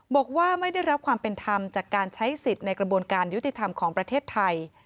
บอกว่าไม่ได้รับความเป็นธรรมจากการใช้สิทธิ์ในกระบวนการยุติธรรมของประเทศไทย